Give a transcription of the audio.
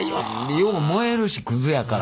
よう燃えるしクズやから。